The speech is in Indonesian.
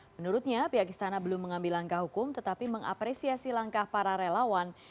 menurutnya pihak istana belum mengambil langkah hukum tetapi mengapresiasi langkah para relawan